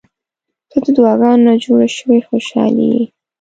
• ته د دعاګانو نه جوړه شوې خوشالي یې.